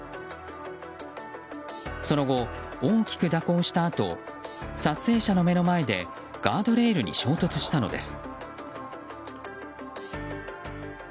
その後、大きく蛇行したあと撮影者の目の前でガードレールに衝突したのです。